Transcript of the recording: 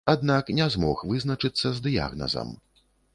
Аднак не змог вызначыцца з дыягназам.